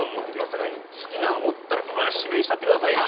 さかいに好きなんおったらバッ指名したってくださいな。